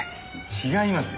違いますよ。